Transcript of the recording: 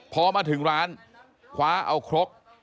พอมาถึงร้านคว้าเอาครก